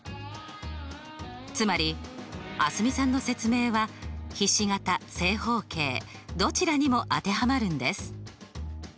つまり蒼澄さんの説明はひし形正方形どちらにも当てはまるんです。